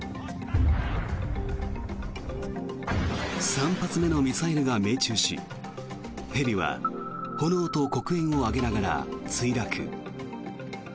３発目のミサイルが命中しヘリは炎と黒煙を上げながら墜落。